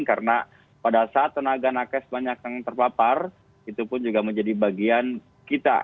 karena pada saat tenaga nakes banyak yang terpapar itu pun juga menjadi bagian kita